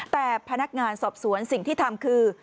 แต่พนักงานสอบสวนสิ่งที่ทำคือ